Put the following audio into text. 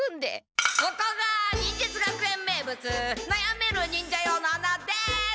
ここが忍術学園名物なやめる忍者用の穴です！